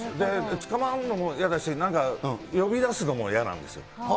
つかまるのも嫌だし、なんか、呼び出すのも嫌なんですよ。